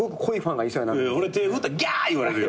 俺手振ったら「ギャー」言われるよ。